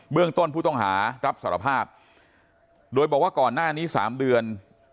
เรื่องต้นผู้ต้องหารับสารภาพโดยบอกว่าก่อนหน้านี้๓เดือน